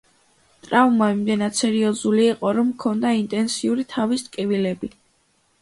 ტრავმა იმდენად სერიოზული იყო, რომ ჰქონდა ინტენსიური თავის ტკივილები.